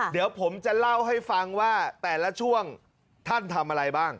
เดี๋ยวผมจะเล่าให้ฟังว่าแต่ละช่วงท่านทำอะไรบ้าง